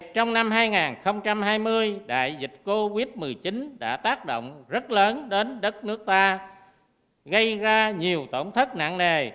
trong năm hai nghìn hai mươi đại dịch covid một mươi chín đã tác động rất lớn đến đất nước ta gây ra nhiều tổn thất nặng nề